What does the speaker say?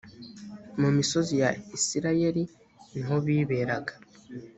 mu misozi ya isirayeli niho biberaga